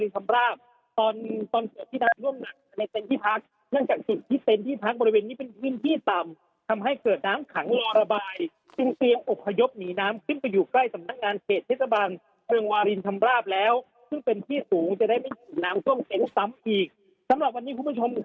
สำหรับวันนี้คุณผู้ชม